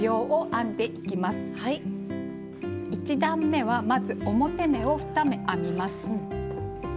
１段めはまず表目を２目編みます。